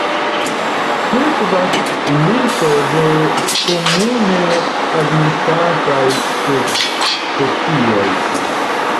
Sekvas listo de komune agnoskataj subspecioj.